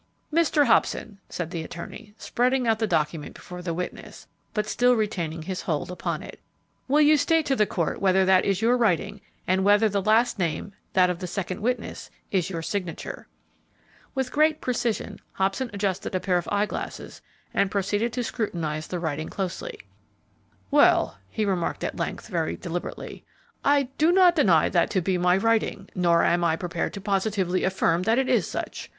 "Mr. Hobson," said the attorney, spreading out the document before the witness, but still retaining his hold upon it, "will you state to the court whether that is your writing, and whether the last name, that of the second witness, is your signature." With great precision, Hobson adjusted a pair of eyeglasses and proceeded to scrutinize the writing closely. "Well," he remarked, at length, very deliberately, "I do not deny that to be my writing, nor am I prepared to positively affirm that it is such.